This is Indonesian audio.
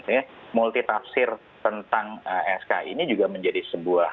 sebenarnya multi tafsir tentang sk ini juga menjadi sebuah